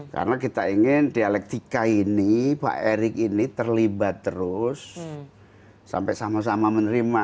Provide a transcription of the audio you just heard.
karena kita ingin dialektika ini pak erick ini terlibat terus sampai sama sama menerima